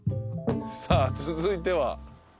さあ続いては？